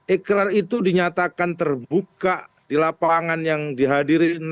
ikrar itu dinyatakan terbuka di lapangan yang dihadiri